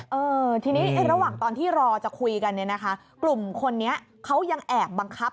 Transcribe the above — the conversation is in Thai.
เออทีนี้ระหว่างตอนที่รอจะคุยกันเนี่ยนะคะกลุ่มคนนี้เขายังแอบบังคับ